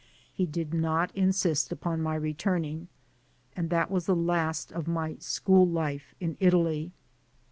He did not insist upon my returning, and that was the last of my school life in Italy.